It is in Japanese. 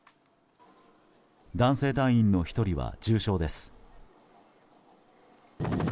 男性隊員の１人は重傷です。